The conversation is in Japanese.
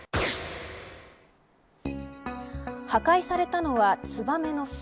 破壊されたのはツバメの巣。